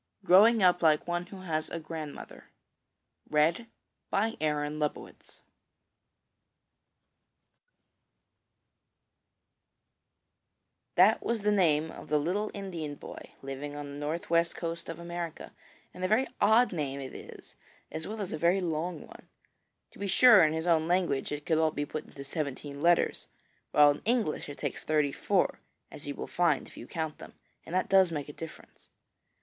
GROWING UP LIKE ONE WHO HAS A GRANDMOTHER That was the name of a little Indian boy living on the North West coast of America, and a very odd name it is, as well as a very long one. To be sure, in his own language it could all be put into seventeen letters, while in English it takes thirty four, as you will find if you count them, and that does make a difference.